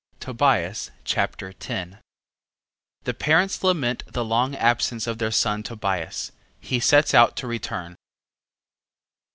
Tobias Chapter 10 The parents lament the long absence of their son Tobias. He sets out to return.